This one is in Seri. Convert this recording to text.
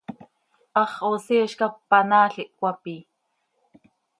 Hax hoosi hizcap panaal ih cömapii.